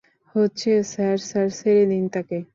হচ্ছে sir sir ছেড়ে দিন তাকে।